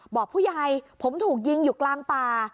บอกผู้ใหญ่ผมถูกยิงอยู่กลางป่า